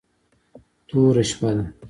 توره شپه ده .